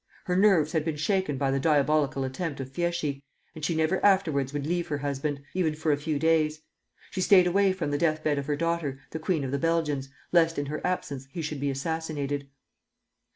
Her nerves had been shaken by the diabolical attempt of Fieschi, and she never afterwards would leave her husband, even for a few days. She stayed away from the deathbed of her daughter, the Queen of the Belgians, lest in her absence he should be assassinated.